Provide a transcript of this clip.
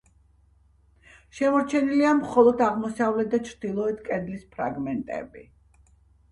შემორჩენილია მხოლოდ აღმოსავლეთ და ჩრდილოეთ კედლის ფრაგმენტები.